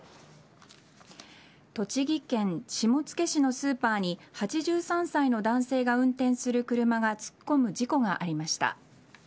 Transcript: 栃木県下野市のスーパーに８３歳の男性が運転する車が突っ込む事故がありました。